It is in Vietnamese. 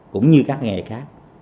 cũng như các nghề khác